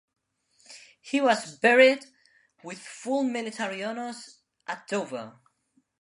He was buried with full military honours at Dover.